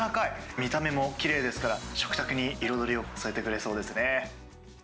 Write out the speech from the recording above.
見た目もきれいですから、食卓に彩りを添えてくれそうですね。